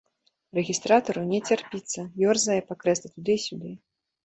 Рэгістратару не цярпіцца, ёрзае па крэсле туды і сюды.